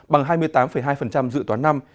bằng hai mươi tám hai dự toán năm